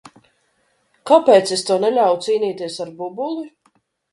Kāpēc es tev neļāvu cīnīties ar bubuli?